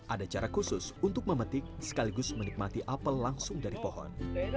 ada cara khusus untuk memetik sekaligus menikmati apel langsung dari pohon